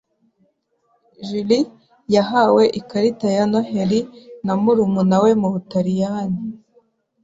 Julie yahawe ikarita ya Noheri na murumuna we mu Butaliyani.